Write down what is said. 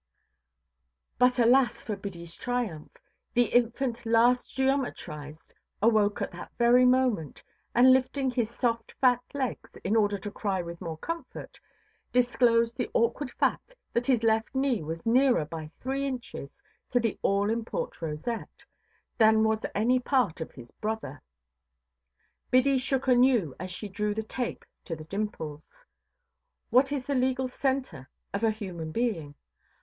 But alas for Biddyʼs triumph! The infant last geometrised awoke at that very moment, and lifting his soft fat legs, in order to cry with more comfort, disclosed the awkward fact that his left knee was nearer by three inches to the all–important rosette, than was any part of his brother. Biddy shook anew, as she drew the tape to the dimples. What is the legal centre of a human being?